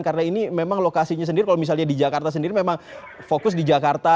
karena ini memang lokasinya sendiri kalau misalnya di jakarta sendiri memang fokus di jakarta